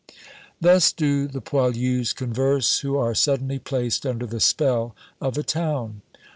Thus do the poilus converse who are suddenly placed under the spell of a town.